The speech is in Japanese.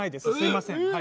すいません。